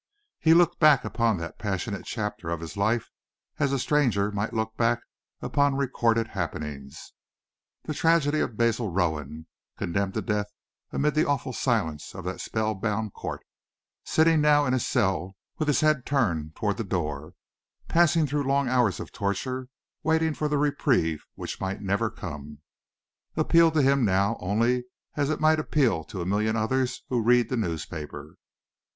He looked back upon that passionate chapter of his life as a stranger might look back upon recorded happenings. The tragedy of Basil Rowan, condemned to death amid the awful silence of that spell bound court, sitting now in his cell with his head turned toward the door, passing through long hours of torture waiting for the reprieve which might never come, appealed to him now only as it might appeal to a million others who read the newspapers.